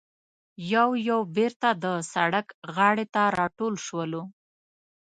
یو یو بېرته د سړک غاړې ته راټول شولو.